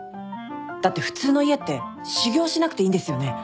だって普通の家って修行しなくていいんですよね？